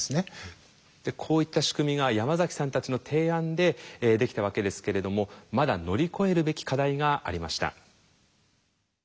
こういった仕組みが山崎さんたちの提案でできたわけですけれどもまだ乗り越えるべき課題がありました。